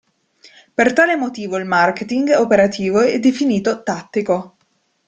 Per tale motivo il marketing operativo è definito tattico.